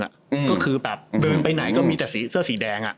ก็คือแบบเดินไปไหนก็มีแต่สีเสื้อสีแดงอ่ะ